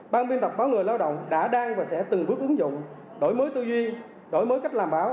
ban biên tập báo người lao động đã đang và sẽ từng bước ứng dụng đổi mới tư duy đổi mới cách làm báo